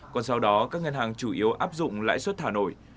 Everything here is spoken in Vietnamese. còn sau đó các ngân hàng chủ yếu áp dụng lãi suất thả nổi